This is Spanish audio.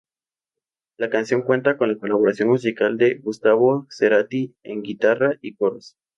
La canción cuenta con la colaboración musical de Gustavo Cerati en guitarra y coros.